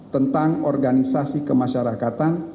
tentang organisasi kemasyarakatan